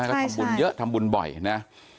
ใช่ใช่ทำบุญเยอะทำบุญบ่อยแล้วนะ